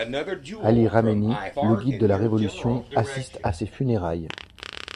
Ali Khamenei, le Guide de la Révolution, assiste à ses funérailles.